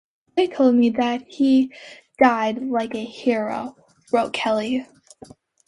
'They told me that he died like a hero,' wrote Kelly.